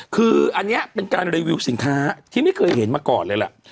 คืออันนี้เป็นการรีวิวสินค้าที่ไม่เคยเห็นมาก่อนเลยล่ะ